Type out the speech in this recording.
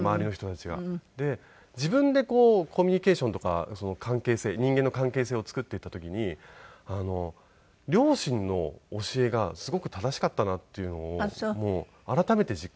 で自分でコミュニケーションとか関係性人間の関係性を作っていった時に両親の教えがすごく正しかったなっていうのを改めて実感して。